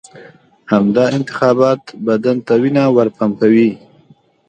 همدا انتخابات بدن ته وینه ورپمپوي.